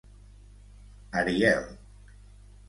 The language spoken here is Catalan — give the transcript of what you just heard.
Ariel.